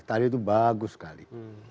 tadi itu bagus sekali